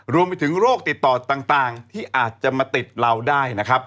รวมไปถึงโรคติดต่อต่างที่อาจจะมาติดเราได้นะครับ